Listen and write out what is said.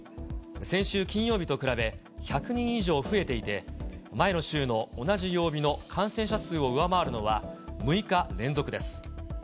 先週金曜日と比べ１００人以上増えていて、前の週の同じ曜日の感染者数を上回るのは６日連続です。